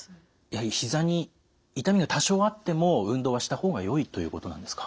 やはりひざに痛みが多少あっても運動はした方がよいということなんですか？